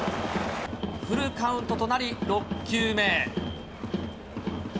フルカウントとなり、６球目。